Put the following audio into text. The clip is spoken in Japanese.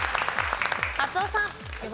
松尾さん。